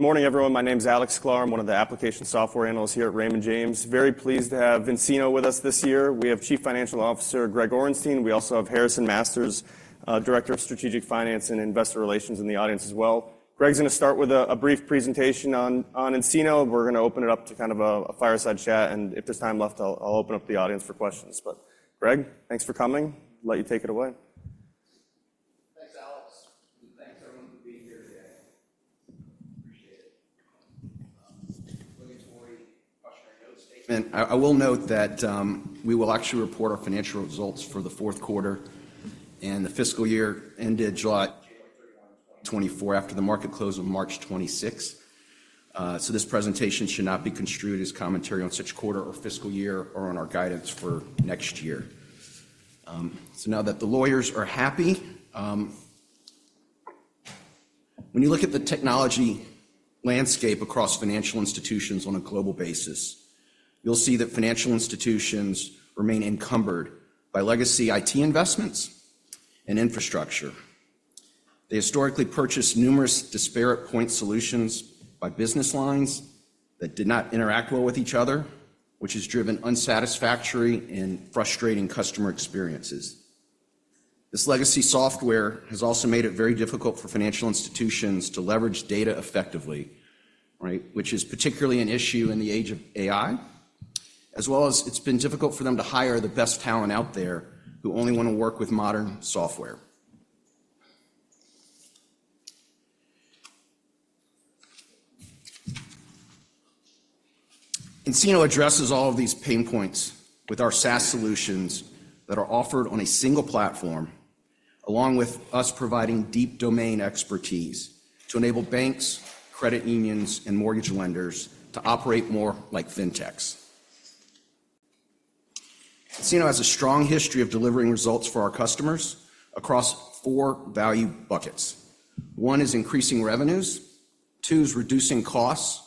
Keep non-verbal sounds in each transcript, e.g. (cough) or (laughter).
Morning, everyone. My name's Alex Glover. I'm one of the application software analysts here at Raymond James. Very pleased to have nCino with us this year. We have Chief Financial Officer Greg Orenstein. We also have Harrison Masters, Director of Strategic Finance and Investor Relations, in the audience as well. Greg's going to start with a brief presentation on nCino. We're going to open it up to kind of a fireside chat, and if there's time left, I'll open up the audience for questions. But Greg, thanks for coming. Let you take it away. Thanks, Alex. Thanks, everyone, for being here today. Appreciate it. Regulatory question or note statement. I will note that we will actually report our financial results for the fourth quarter and the fiscal year ended July. (audio distortion) 2024 after the market closed on March 26th. So this presentation should not be construed as commentary on such quarter or fiscal year or on our guidance for next year. So now that the lawyers are happy, when you look at the technology landscape across financial institutions on a global basis, you'll see that financial institutions remain encumbered by legacy IT investments and infrastructure. They historically purchased numerous disparate point solutions by business lines that did not interact well with each other, which has driven unsatisfactory and frustrating customer experiences. This legacy software has also made it very difficult for financial institutions to leverage data effectively, right, which is particularly an issue in the age of AI, as well as it's been difficult for them to hire the best talent out there who only want to work with modern software. nCino addresses all of these pain points with our SaaS solutions that are offered on a single platform, along with us providing deep domain expertise to enable banks, credit unions, and mortgage lenders to operate more like fintechs. nCino has a strong history of delivering results for our customers across four value buckets. One is increasing revenues. Two is reducing costs.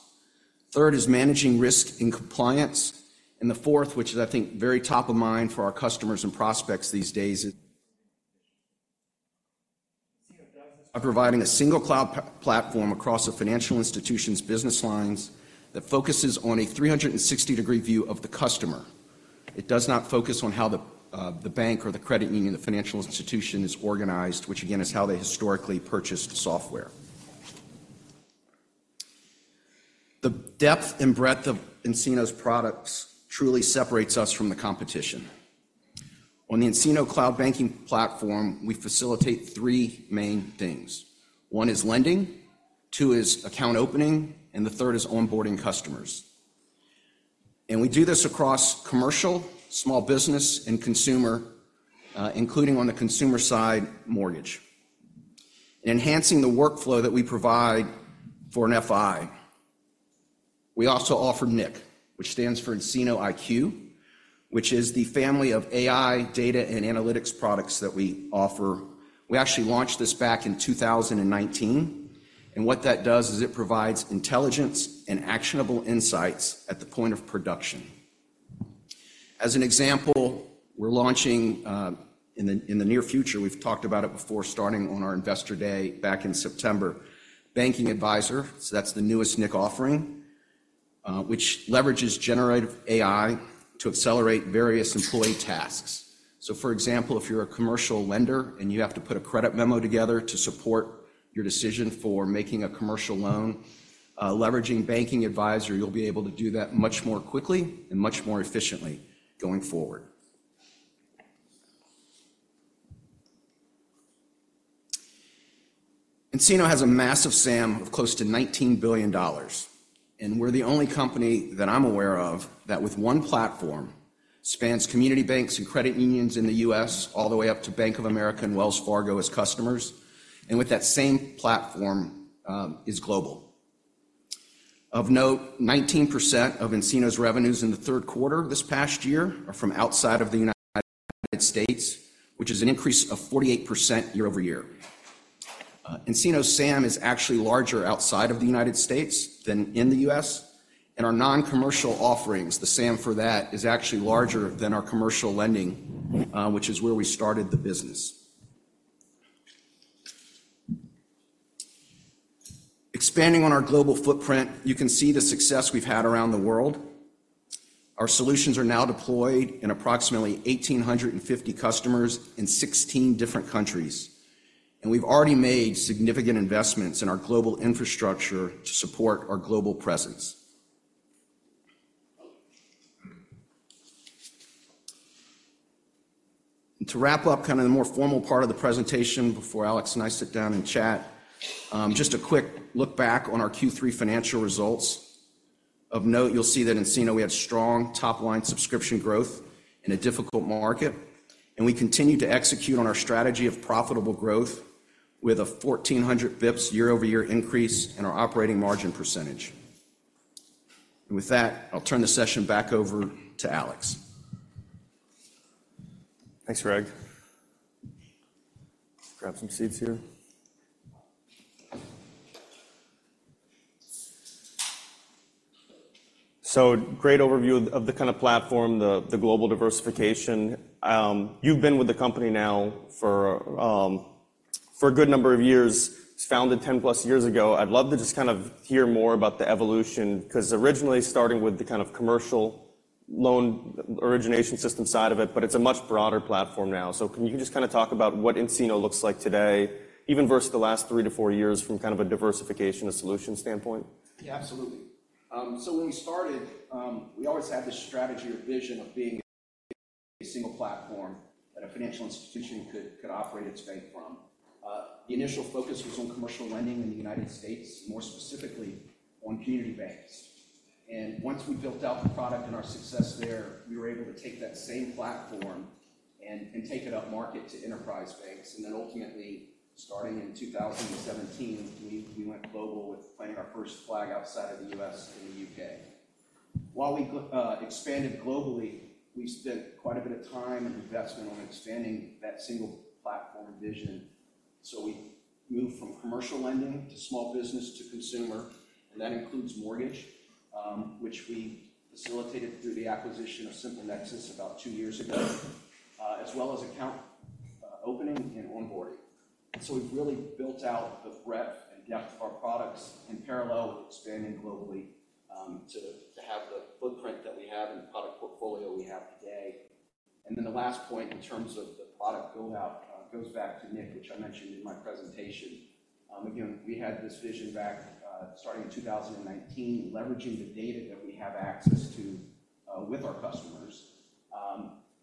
Third is managing risk and compliance. The fourth, which is, I think, very top of mind for our customers and prospects these days, is providing a single cloud platform across the financial institution's business lines that focuses on a 360-degree view of the customer. It does not focus on how the bank or the credit union, the financial institution is organized, which again is how they historically purchased software. The depth and breadth of nCino's products truly separates us from the competition. On the nCino cloud banking platform, we facilitate three main things. One is lending. Two is account opening. And the third is onboarding customers. We do this across commercial, small business, and consumer, including on the consumer side mortgage. Enhancing the workflow that we provide for an FI, we also offer nIQ, which stands for nCino IQ, which is the family of AI, data, and analytics products that we offer. We actually launched this back in 2019. And what that does is it provides intelligence and actionable insights at the point of production. As an example, we're launching, in the near future, we've talked about it before starting on our investor day back in September, Banking Advisor. So that's the newest nIQ offering, which leverages generative AI to accelerate various employee tasks. So for example, if you're a commercial lender and you have to put a credit memo together to support your decision for making a commercial loan, leveraging Banking Advisor, you'll be able to do that much more quickly and much more efficiently going forward. nCino has a massive SAM of close to $19 billion. And we're the only company that I'm aware of that with one platform spans community banks and credit unions in the U.S. all the way up to Bank of America and Wells Fargo as customers. And with that same platform, is global. Of note, 19% of nCino's revenues in the third quarter this past year are from outside of the United States, which is an increase of 48% year-over-year. nCino's SAM is actually larger outside of the United States than in the U.S. Our non-commercial offerings, the SAM for that, is actually larger than our commercial lending, which is where we started the business. Expanding on our global footprint, you can see the success we've had around the world. Our solutions are now deployed in approximately 1,850 customers in 16 different countries. We've already made significant investments in our global infrastructure to support our global presence. To wrap up kind of the more formal part of the presentation before Alex and I sit down and chat, just a quick look back on our Q3 financial results. Of note, you'll see that in nCino we had strong top-line subscription growth in a difficult market. We continue to execute on our strategy of profitable growth with a 1,400 basis points year-over-year increase in our operating margin percentage. With that, I'll turn the session back over to Alex. Thanks, Greg. Grab some seats here. So great overview of the kind of platform, the global diversification. You've been with the company now for, for a good number of years. It was founded 10+ years ago. I'd love to just kind of hear more about the evolution because originally starting with the kind of commercial loan origination system side of it, but it's a much broader platform now. So can you just kind of talk about what nCino looks like today, even versus the last three-four years from kind of a diversification of solution standpoint? Yeah, absolutely. So when we started, we always had this strategy or vision of being a single platform that a financial institution could, could operate its bank from. The initial focus was on commercial lending in the United States, more specifically on community banks. And once we built out the product and our success there, we were able to take that same platform and, and take it up market to enterprise banks. And then ultimately, starting in 2017, we, we went global with planting our first flag outside of the U.S. and the U.K. While we, expanded globally, we spent quite a bit of time and investment on expanding that single platform vision. So we moved from commercial lending to small business to consumer. And that includes mortgage, which we facilitated through the acquisition of SimpleNexus about two years ago, as well as account, opening and onboarding. So we've really built out the breadth and depth of our products in parallel with expanding globally, to, to have the footprint that we have and the product portfolio we have today. And then the last point in terms of the product buildout, goes back to nIQ, which I mentioned in my presentation. Again, we had this vision back, starting in 2019, leveraging the data that we have access to, with our customers.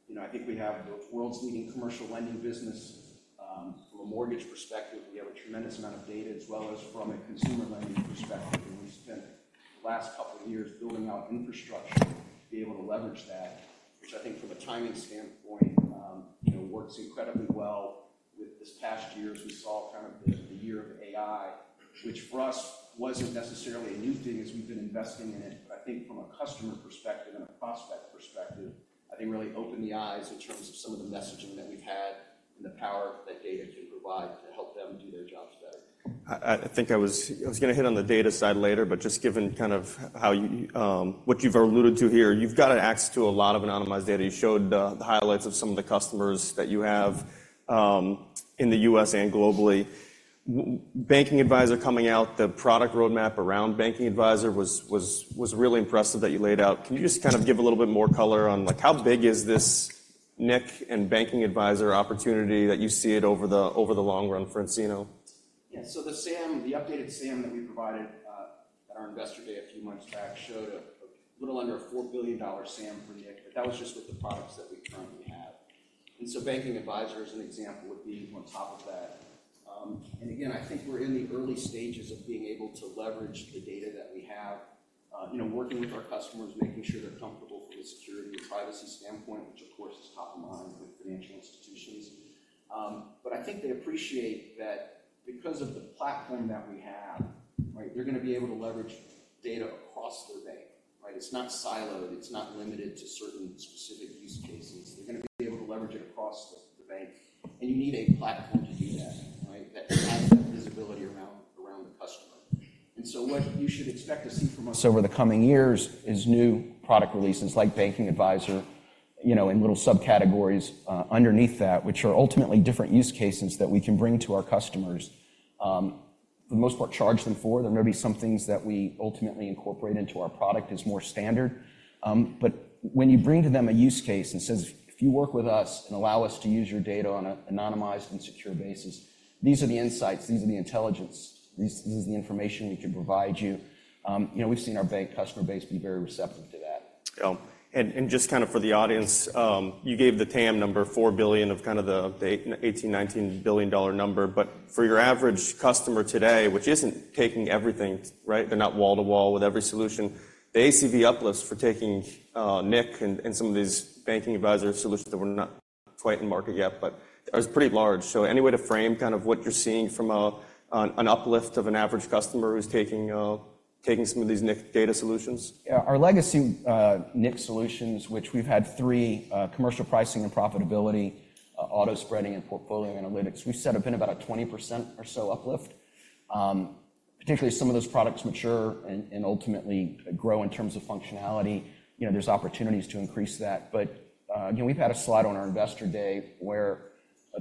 You know, I think we have the world's leading commercial lending business. From a mortgage perspective, we have a tremendous amount of data as well as from a consumer lending perspective. And we spent the last couple of years building out infrastructure to be able to leverage that, which I think from a timing standpoint, you know, works incredibly well. With this past year, as we saw kind of the year of AI, which for us wasn't necessarily a new thing as we've been investing in it, but I think from a customer perspective and a prospect perspective, I think really opened the eyes in terms of some of the messaging that we've had and the power that data can provide to help them do their jobs better. I think I was going to hit on the data side later, but just given kind of how you, what you've alluded to here, you've got access to a lot of anonymized data. You showed the highlights of some of the customers that you have in the U.S. and globally. Banking Advisor coming out, the product roadmap around Banking Advisor was really impressive that you laid out. Can you just kind of give a little bit more color on, like, how big is this nIQ and Banking Advisor opportunity that you see it over the long run for nCino? Yeah, so the SAM, the updated SAM that we provided, at our investor day a few months back showed a little under a $4 billion SAM for nIQ, but that was just with the products that we currently have. And so Banking Advisor is an example would be on top of that. And again, I think we're in the early stages of being able to leverage the data that we have, you know, working with our customers, making sure they're comfortable from a security and privacy standpoint, which of course is top of mind with financial institutions. But I think they appreciate that because of the platform that we have, right, they're going to be able to leverage data across their bank, right? It's not siloed. It's not limited to certain specific use cases. They're going to be able to leverage it across the bank. You need a platform to do that, right, that has that visibility around the customer. And so what you should expect to see from us over the coming years is new product releases like Banking Advisor, you know, in little subcategories, underneath that, which are ultimately different use cases that we can bring to our customers. For the most part, charge them for. There are going to be some things that we ultimately incorporate into our product as more standard. But when you bring to them a use case and says, "If you work with us and allow us to use your data on an anonymized and secure basis, these are the insights. These are the intelligence. This is the information we can provide you." you know, we've seen our bank customer base be very receptive to that. Yeah. And, and just kind of for the audience, you gave the TAM number, $4 billion, of kind of the $18-$19 billion number. But for your average customer today, which isn't taking everything, right, they're not wall to wall with every solution, the ACV uplift for taking nIQ and, and some of these Banking Advisor solutions that were not quite in market yet, but it was pretty large. So any way to frame kind of what you're seeing from a, an uplift of an average customer who's taking, taking some of these nIQ data solutions? Yeah, our legacy nIQ solutions, which we've had three, commercial pricing and profitability, auto spreading and portfolio analytics, we've set up in about a 20% or so uplift. Particularly as some of those products mature and, and ultimately grow in terms of functionality, you know, there's opportunities to increase that. But, again, we've had a slide on our investor day where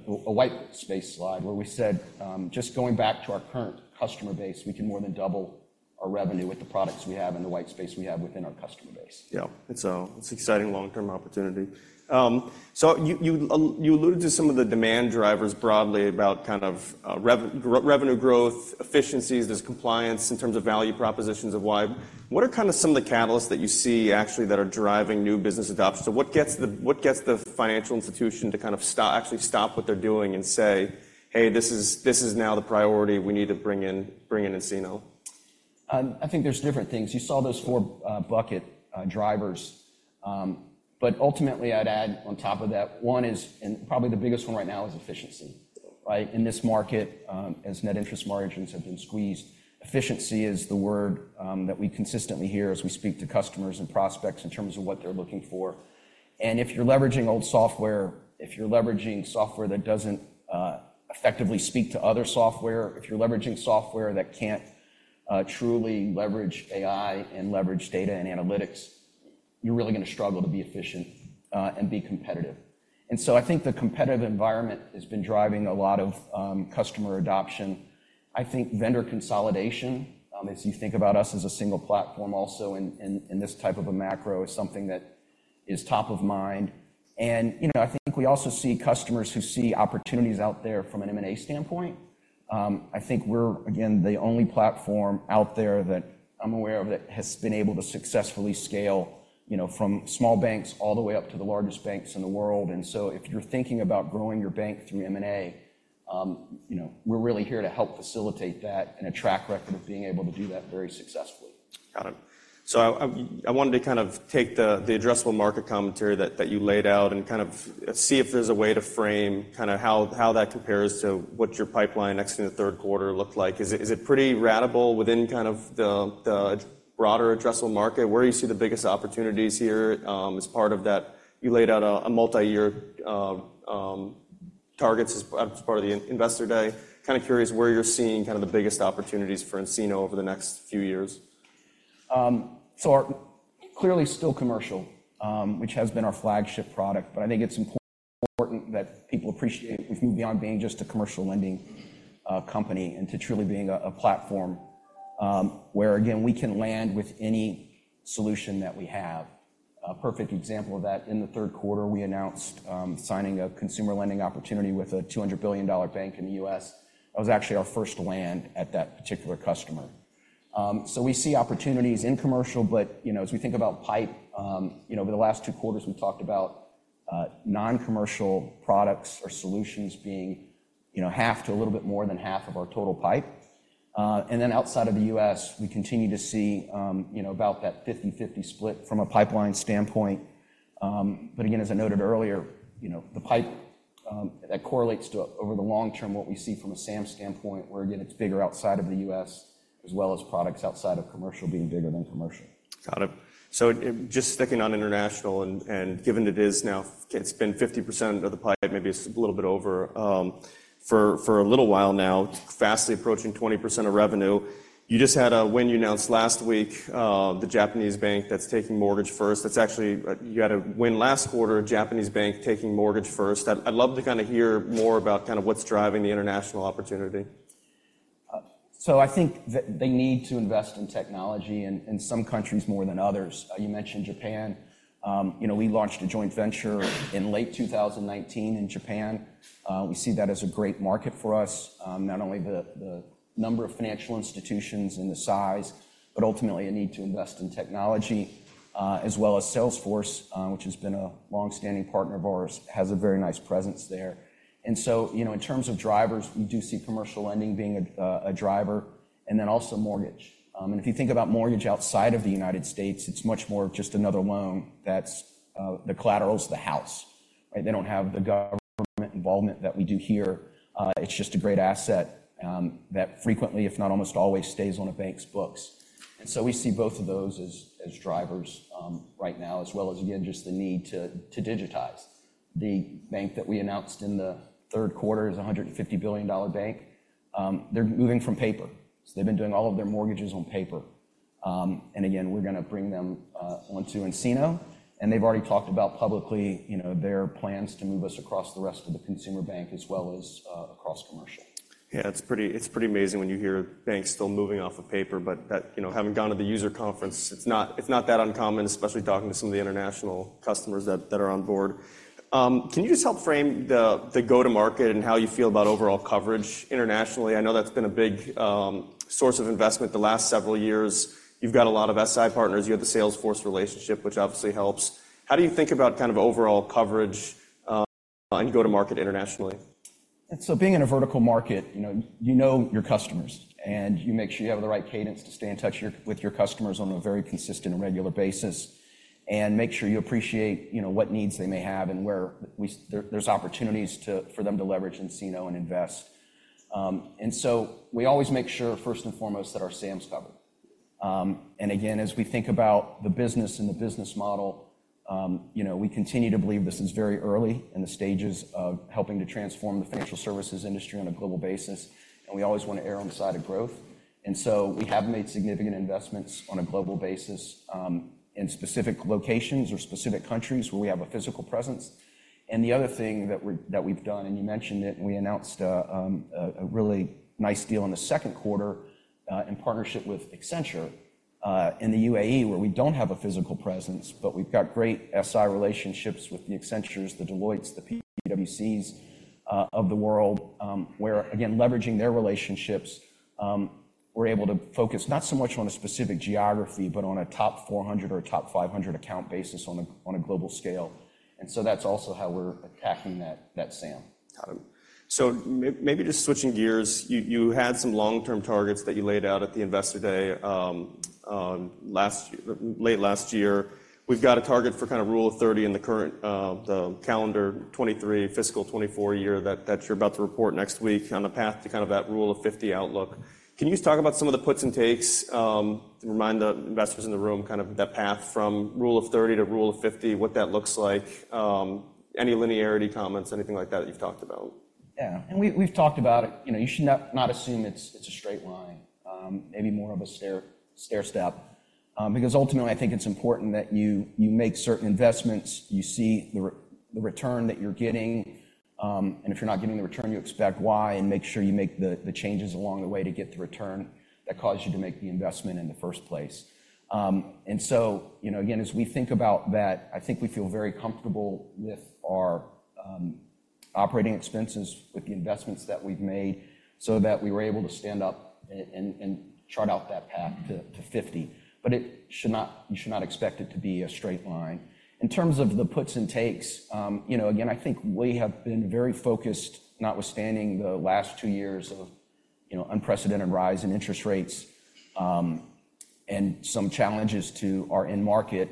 a white space slide where we said, just going back to our current customer base, we can more than double our revenue with the products we have and the white space we have within our customer base. Yeah, it's an exciting long-term opportunity. So you alluded to some of the demand drivers broadly about kind of revenue growth, efficiencies. There's compliance in terms of value propositions of why. What are kind of some of the catalysts that you see actually that are driving new business adoption? So what gets the financial institution to kind of stop actually what they're doing and say, "Hey, this is now the priority. We need to bring in nCino"? I think there's different things. You saw those four bucket drivers. But ultimately, I'd add on top of that, one is, and probably the biggest one right now is efficiency, right, in this market, as net interest margins have been squeezed. Efficiency is the word that we consistently hear as we speak to customers and prospects in terms of what they're looking for. And if you're leveraging old software, if you're leveraging software that doesn't effectively speak to other software, if you're leveraging software that can't truly leverage AI and leverage data and analytics, you're really going to struggle to be efficient, and be competitive. And so I think the competitive environment has been driving a lot of customer adoption. I think vendor consolidation, as you think about us as a single platform also in this type of a macro, is something that is top of mind. You know, I think we also see customers who see opportunities out there from an M&A standpoint. I think we're, again, the only platform out there that I'm aware of that has been able to successfully scale, you know, from small banks all the way up to the largest banks in the world. And so if you're thinking about growing your bank through M&A, you know, we're really here to help facilitate that and a track record of being able to do that very successfully. Got it. So I wanted to kind of take the addressable market commentary that you laid out and kind of see if there's a way to frame kind of how that compares to what your pipeline next in the third quarter looked like. Is it pretty ratable within the broader addressable market? Where do you see the biggest opportunities here, as part of that? You laid out a multi-year targets as part of the investor day. Kind of curious where you're seeing the biggest opportunities for nCino over the next few years. So we're clearly still commercial, which has been our flagship product, but I think it's important that people appreciate we've moved beyond being just a commercial lending company and to truly being a platform, where, again, we can land with any solution that we have. A perfect example of that, in the third quarter, we announced signing a consumer lending opportunity with a $200 billion bank in the U.S. That was actually our first land at that particular customer. So we see opportunities in commercial, but, you know, as we think about pipeline, you know, over the last two quarters, we've talked about non-commercial products or solutions being, you know, half to a little bit more than half of our total pipeline. And then outside of the U.S., we continue to see, you know, about that 50/50 split from a pipeline standpoint. But again, as I noted earlier, you know, the pipe, that correlates to over the long term what we see from a SAM standpoint where, again, it's bigger outside of the U.S. as well as products outside of commercial being bigger than commercial. Got it. So just sticking on international and, and given it is now, it's been 50% of the pipe, maybe a little bit over, for, for a little while now, fast approaching 20% of revenue. You just had a win you announced last week, the Japanese bank that's taking mortgage first. That's actually you had a win last quarter, Japanese bank taking mortgage first. I'd love to kind of hear more about kind of what's driving the international opportunity. So, I think that they need to invest in technology in some countries more than others. You mentioned Japan. You know, we launched a joint venture in late 2019 in Japan. We see that as a great market for us, not only the number of financial institutions and the size, but ultimately a need to invest in technology, as well as Salesforce, which has been a longstanding partner of ours, has a very nice presence there. And so, you know, in terms of drivers, we do see commercial lending being a driver and then also mortgage. And if you think about mortgage outside of the United States, it's much more of just another loan that's the collateral's the house, right? They don't have the government involvement that we do here. It's just a great asset that frequently, if not almost always, stays on a bank's books. And so we see both of those as, as drivers, right now, as well as, again, just the need to, to digitize. The bank that we announced in the third quarter is a $150 billion bank. They're moving from paper. So they've been doing all of their mortgages on paper. And again, we're going to bring them onto nCino. And they've already talked about publicly, you know, their plans to move us across the rest of the consumer bank as well as across commercial. Yeah, it's pretty amazing when you hear banks still moving off of paper, but that, you know, having gone to the user conference, it's not that uncommon, especially talking to some of the international customers that are on board. Can you just help frame the go-to-market and how you feel about overall coverage internationally? I know that's been a big source of investment the last several years. You've got a lot of SI partners. You have the Salesforce relationship, which obviously helps. How do you think about kind of overall coverage and go-to-market internationally? And so being in a vertical market, you know, you know your customers and you make sure you have the right cadence to stay in touch with your customers on a very consistent and regular basis and make sure you appreciate, you know, what needs they may have and where there's opportunities for them to leverage nCino and invest. And so we always make sure first and foremost that our SAMs covered. And again, as we think about the business and the business model, you know, we continue to believe this is very early in the stages of helping to transform the financial services industry on a global basis. And we always want to err on the side of growth. And so we have made significant investments on a global basis, in specific locations or specific countries where we have a physical presence. And the other thing that we've done, and you mentioned it, and we announced a really nice deal in the second quarter, in partnership with Accenture, in the UAE where we don't have a physical presence, but we've got great SI relationships with the Accentures, the Deloittes, the PwCs, of the world, where, again, leveraging their relationships, we're able to focus not so much on a specific geography, but on a top 400 or top 500 account basis on a global scale. And so that's also how we're attacking that SAM. Got it. So maybe just switching gears, you, you had some long-term targets that you laid out at the investor day, on last year late last year. We've got a target for kind of Rule of 30 in the current, the calendar 2023, fiscal 2024 year that, that you're about to report next week on the path to kind of that Rule of 50 outlook. Can you just talk about some of the puts and takes, to remind the investors in the room, kind of that path from Rule of 30 to Rule of 50, what that looks like, any linearity comments, anything like that that you've talked about? Yeah, and we've talked about it. You know, you should not assume it's a straight line, maybe more of a stair step, because ultimately, I think it's important that you make certain investments, you see the return that you're getting, and if you're not getting the return you expect why and make sure you make the changes along the way to get the return that caused you to make the investment in the first place. So, you know, again, as we think about that, I think we feel very comfortable with our operating expenses, with the investments that we've made so that we were able to stand up and chart out that path to 50. But you should not expect it to be a straight line. In terms of the puts and takes, you know, again, I think we have been very focused, notwithstanding the last two years of, you know, unprecedented rise in interest rates, and some challenges to our in-market,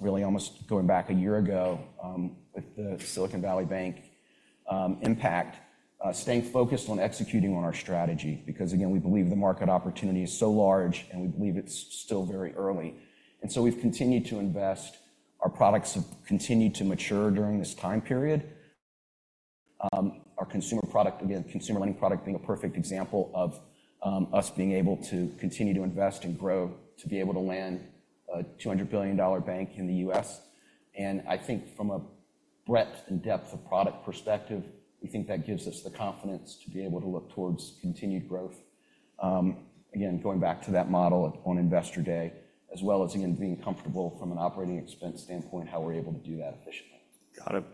really almost going back a year ago, with the Silicon Valley Bank impact, staying focused on executing on our strategy because, again, we believe the market opportunity is so large and we believe it's still very early. So we've continued to invest. Our products have continued to mature during this time period. Our consumer product, again, consumer lending product being a perfect example of us being able to continue to invest and grow to be able to land a $200 billion bank in the U.S.. And I think from a breadth and depth of product perspective, we think that gives us the confidence to be able to look towards continued growth. Again, going back to that model on investor day, as well as, again, being comfortable from an operating expense standpoint, how we're able to do that efficiently. Got it.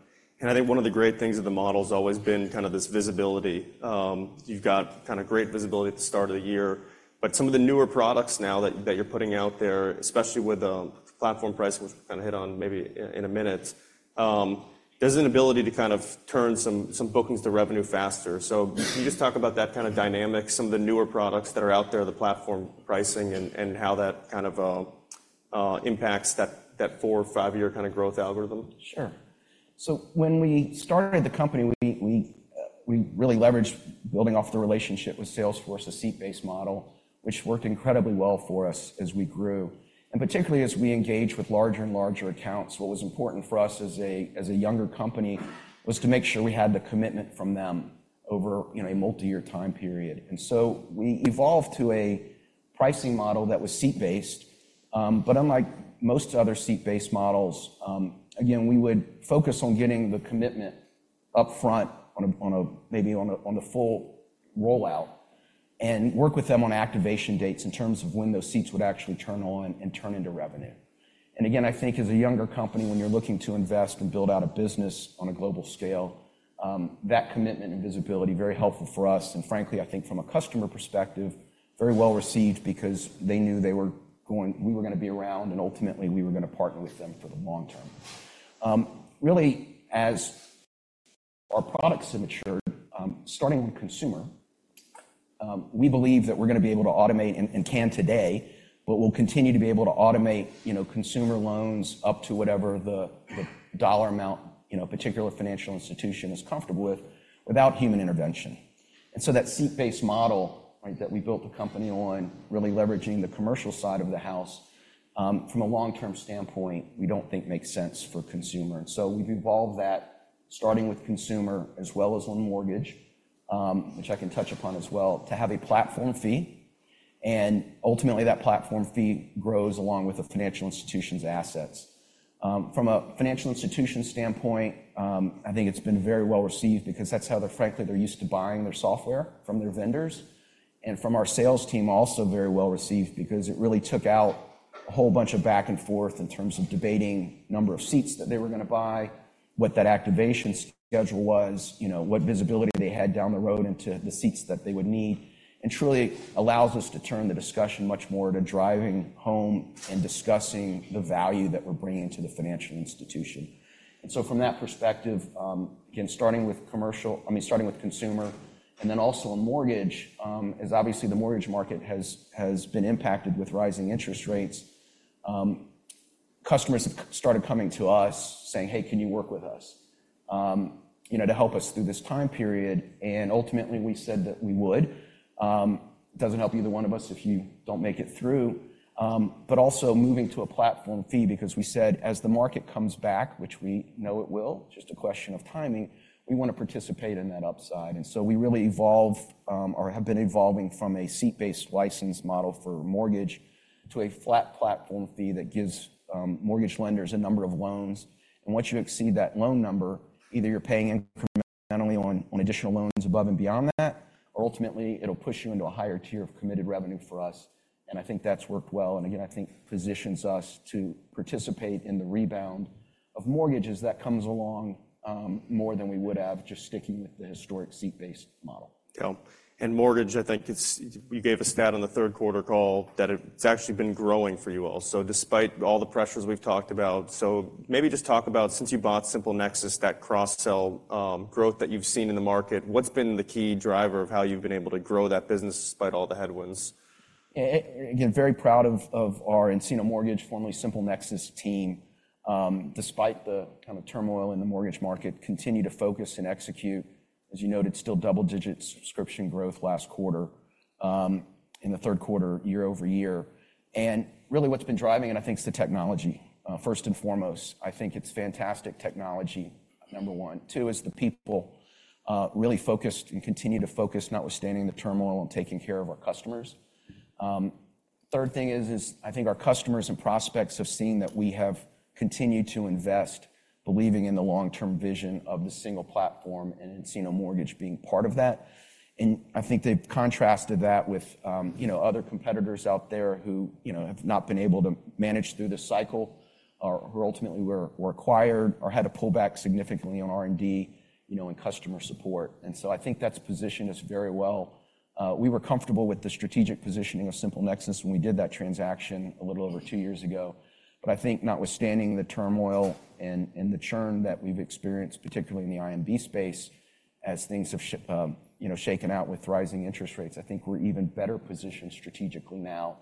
And I think one of the great things of the model's always been kind of this visibility. You've got kind of great visibility at the start of the year, but some of the newer products now that you're putting out there, especially with the platform pricing, which we'll kind of hit on maybe in a minute, there's an ability to kind of turn some bookings to revenue faster. So can you just talk about that kind of dynamic, some of the newer products that are out there, the platform pricing, and how that kind of impacts that four- or five-year kind of growth algorithm? Sure. So when we started the company, we really leveraged building off the relationship with Salesforce, the seat-based model, which worked incredibly well for us as we grew. And particularly as we engaged with larger and larger accounts, what was important for us as a younger company was to make sure we had the commitment from them over, you know, a multi-year time period. And so we evolved to a pricing model that was seat-based. But unlike most other seat-based models, again, we would focus on getting the commitment upfront on a maybe on the full rollout and work with them on activation dates in terms of when those seats would actually turn on and turn into revenue. And again, I think as a younger company, when you're looking to invest and build out a business on a global scale, that commitment and visibility very helpful for us. Frankly, I think from a customer perspective, very well received because they knew they were going we were going to be around and ultimately we were going to partner with them for the long term. Really, as our products have matured, starting with consumer, we believe that we're going to be able to automate and, and can today, but we'll continue to be able to automate, you know, consumer loans up to whatever the, the dollar amount, you know, particular financial institution is comfortable with without human intervention. So that seat-based model, right, that we built the company on, really leveraging the commercial side of the house, from a long-term standpoint, we don't think makes sense for consumer. And so we've evolved that starting with consumer as well as on mortgage, which I can touch upon as well, to have a platform fee. And ultimately, that platform fee grows along with the financial institution's assets. From a financial institution standpoint, I think it's been very well received because that's how they're frankly, they're used to buying their software from their vendors. And from our sales team, also very well received because it really took out a whole bunch of back and forth in terms of debating number of seats that they were going to buy, what that activation schedule was, you know, what visibility they had down the road into the seats that they would need, and truly allows us to turn the discussion much more to driving home and discussing the value that we're bringing to the financial institution. And so from that perspective, again, starting with commercial, I mean, starting with consumer, and then also on mortgage, as obviously the mortgage market has been impacted with rising interest rates, customers have started coming to us saying, "Hey, can you work with us, you know, to help us through this time period?" And ultimately, we said that we would. It doesn't help either one of us if you don't make it through, but also moving to a platform fee because we said, as the market comes back, which we know it will, just a question of timing, we want to participate in that upside. And so we really evolved, or have been evolving from a seat-based license model for mortgage to a flat platform fee that gives mortgage lenders a number of loans. And once you exceed that loan number, either you're paying incrementally on additional loans above and beyond that, or ultimately, it'll push you into a higher tier of committed revenue for us. And I think that's worked well. And again, I think positions us to participate in the rebound of mortgages that comes along, more than we would have just sticking with the historic seat-based model. Yeah. And mortgage, I think it's you gave a stat on the third quarter call that it's actually been growing for you all. So despite all the pressures we've talked about, so maybe just talk about since you bought SimpleNexus, that cross-sell, growth that you've seen in the market, what's been the key driver of how you've been able to grow that business despite all the headwinds? Yeah, again, very proud of, of our nCino Mortgage, formerly SimpleNexus team, despite the kind of turmoil in the mortgage market, continue to focus and execute. As you noted, still double-digit subscription growth last quarter, in the third quarter, year-over-year. And really what's been driving, and I think it's the technology, first and foremost, I think it's fantastic technology, number one. Two is the people, really focused and continue to focus, notwithstanding the turmoil, on taking care of our customers. Third thing is, is I think our customers and prospects have seen that we have continued to invest, believing in the long-term vision of the single platform and nCino Mortgage being part of that. And I think they've contrasted that with, you know, other competitors out there who, you know, have not been able to manage through this cycle or ultimately were acquired or had to pull back significantly on R&D, you know, and customer support. And so I think that's positioned us very well. We were comfortable with the strategic positioning of SimpleNexus when we did that transaction a little over two years ago. But I think notwithstanding the turmoil and the churn that we've experienced, particularly in the IMB space, as things have, you know, shaken out with rising interest rates, I think we're even better positioned strategically now.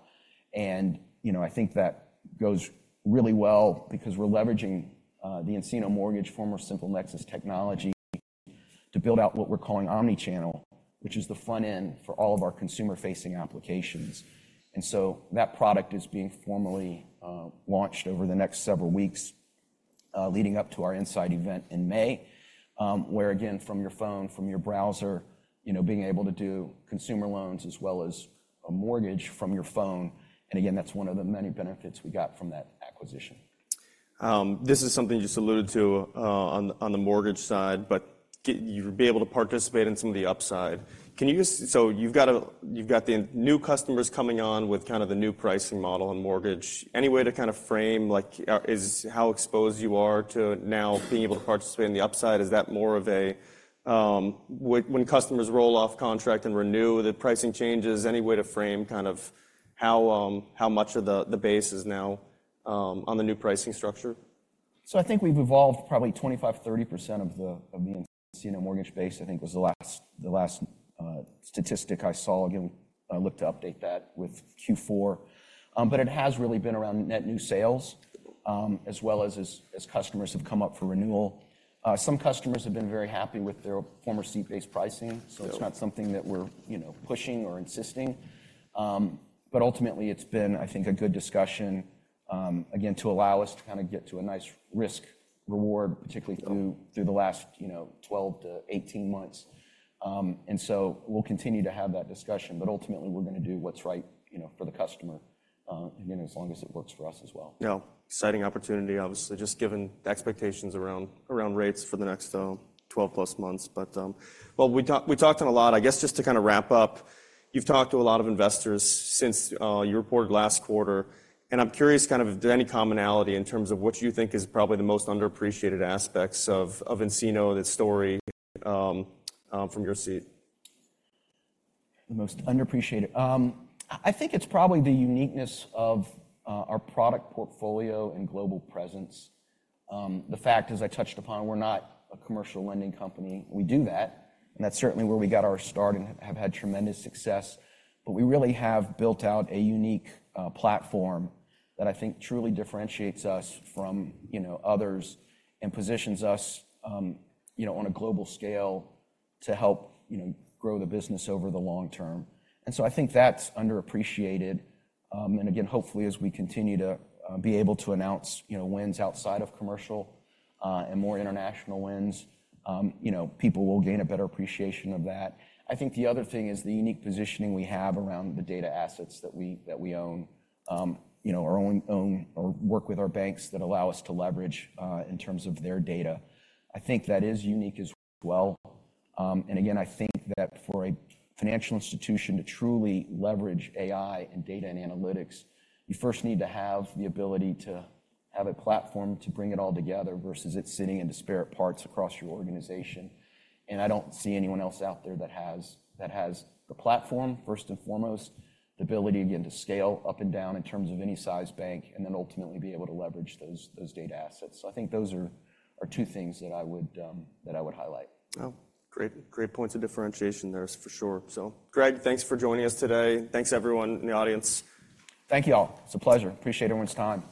And, you know, I think that goes really well because we're leveraging the nCino Mortgage, former SimpleNexus technology, to build out what we're calling Omnichannel, which is the front end for all of our consumer-facing applications. So that product is being formally launched over the next several weeks, leading up to our nSight event in May, where, again, from your phone, from your browser, you know, being able to do consumer loans as well as a mortgage from your phone. Again, that's one of the many benefits we got from that acquisition. This is something you just alluded to, on the mortgage side, but Greg, you'd be able to participate in some of the upside. Can you just, so you've got the new customers coming on with kind of the new pricing model and mortgage. Any way to kind of frame, like, is how exposed you are to now being able to participate in the upside? Is that more of a, what, when customers roll off contract and renew, the pricing changes, any way to frame kind of how much of the base is now on the new pricing structure? So I think we've evolved probably 25%-30% of the nCino Mortgage base, I think was the last statistic I saw. Again, I looked to update that with Q4, but it has really been around net new sales, as well as customers have come up for renewal. Some customers have been very happy with their former seat-based pricing, so it's not something that we're, you know, pushing or insisting, but ultimately, it's been, I think, a good discussion, again, to allow us to kind of get to a nice risk-reward, particularly through the last, you know, 12-18 months. And so we'll continue to have that discussion, but ultimately, we're going to do what's right, you know, for the customer, again, as long as it works for us as well. Yeah, exciting opportunity, obviously, just given the expectations around rates for the next 12-plus months. But, well, we talked we talked on a lot. I guess just to kind of wrap up, you've talked to a lot of investors since you reported last quarter. And I'm curious kind of if there's any commonality in terms of what you think is probably the most underappreciated aspects of nCino, the story, from your seat. The most underappreciated? I think it's probably the uniqueness of our product portfolio and global presence. The fact, as I touched upon, we're not a commercial lending company. We do that. And that's certainly where we got our start and have had tremendous success. But we really have built out a unique platform that I think truly differentiates us from, you know, others and positions us, you know, on a global scale to help, you know, grow the business over the long term. And so I think that's underappreciated. And again, hopefully, as we continue to be able to announce, you know, wins outside of commercial, and more international wins, you know, people will gain a better appreciation of that. I think the other thing is the unique positioning we have around the data assets that we own, you know, our own or work with our banks that allow us to leverage, in terms of their data. I think that is unique as well. And again, I think that for a financial institution to truly leverage AI and data and analytics, you first need to have the ability to have a platform to bring it all together versus it sitting in disparate parts across your organization. And I don't see anyone else out there that has the platform, first and foremost, the ability, again, to scale up and down in terms of any size bank and then ultimately be able to leverage those data assets. So I think those are two things that I would highlight. Yeah. Great, great points of differentiation there, for sure. So, Greg, thanks for joining us today. Thanks, everyone in the audience. Thank you all. It's a pleasure. Appreciate everyone's time.